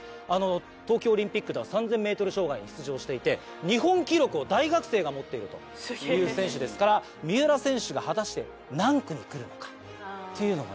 東京オリンピックでは３０００ｍ障害に出場していて日本記録を大学生が持っているという選手ですから三浦選手が果たして何区に来るのかっていうのもね。